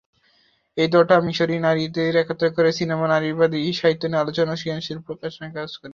এই দলটি মিশরীয় নারীদের একত্রিত করে সিনেমা, নারীবাদী সাহিত্য নিয়ে আলোচনা এবং সৃজনশীল প্রকাশনায় কাজ করে।